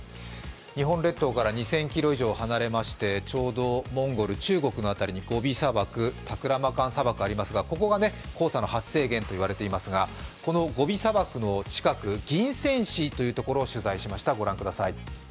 日本列島から２０００ｋｍ以上離れまして、ちょうどモンゴル、中国の辺りにゴビ砂漠、タクラマカン砂漠がありますが、ここが黄砂の発生源と言われていますが、このゴビ砂漠の近く、銀川市を取材しました。